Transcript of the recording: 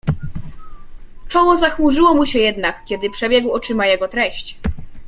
"Czoło zachmurzyło mu się jednak, kiedy przebiegł oczyma jego treść."